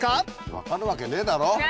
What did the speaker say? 分かるわけねえだろ。